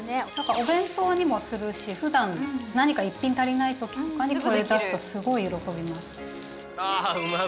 お弁当にもするしふだん何か一品足りない時とかにこれ出すとすごい喜びます。